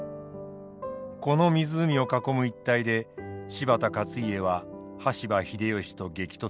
この湖を囲む一帯で柴田勝家は羽柴秀吉と激突しました。